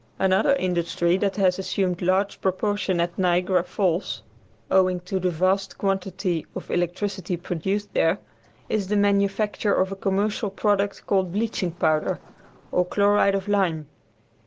Another industry that has assumed large proportions at Niagara Falls, owing to the vast quantity of electricity produced there, is the manufacture of a commercial product called bleaching powder, or chloride of lime.